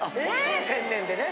天然でね。